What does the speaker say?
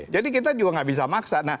jadi kita juga enggak bisa maksa